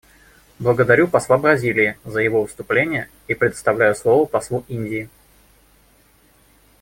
Благодарю посла Бразилии за его выступление и предоставляю слово послу Индии.